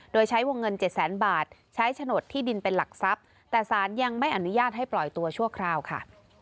โดยใช้วงเงินเจ็ดแสนบาทใช้โฉนดที่ดินเป็นหลักทรัพย์แต่สารยังไม่อนุญาตให้ปล่อยตัวชั่วคราวค่ะ